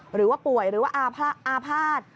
หรือว่าป่วยหรือว่าอาภาษณ์